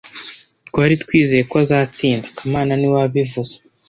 Twari twizeye ko azatsinda kamana niwe wabivuze